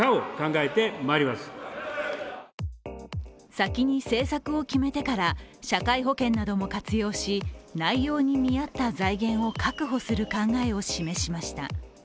先に政策を決めてから社会保険なども活用し内容に見合った財源を確保する考えを示しました。